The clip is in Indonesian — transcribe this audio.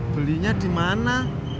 belinya di mana